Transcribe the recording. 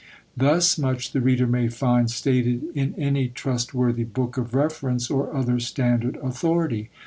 Thus much the reader may find stated in any trustworthy book of reference or other standard authority.